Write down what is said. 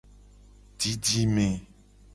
Didime.